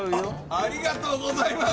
ありがとうございます！